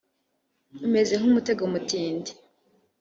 umeze nk umutego mutindi